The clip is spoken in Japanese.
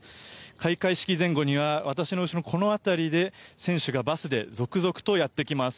開会式前後には私の後ろのこの辺りに選手がバスで続々とやってきます。